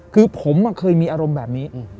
คือผมเคยมีอารมณ์แบบนี้